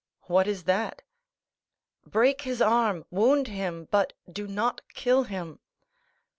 "What is that?" "Break his arm—wound him—but do not kill him."